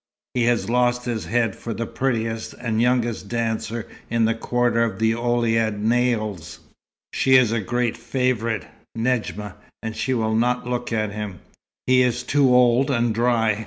He has lost his head for the prettiest and youngest dancer in the quarter of the Ouled Naïls. She is a great favourite, Nedjma, and she will not look at him. He is too old and dry.